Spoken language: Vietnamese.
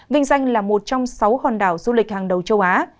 vinh danh là một trong sáu hòn đảo du lịch hàng đầu châu á